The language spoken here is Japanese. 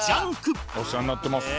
「お世話になってます」